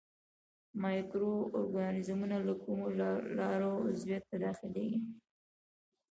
مایکرو ارګانیزمونه له کومو لارو عضویت ته داخليږي.